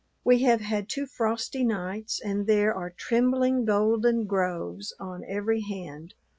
We have had two frosty nights and there are trembling golden groves on every hand.